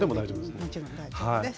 もちろん大丈夫です。